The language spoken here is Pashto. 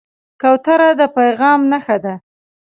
کوتره د پیغام نښه ده.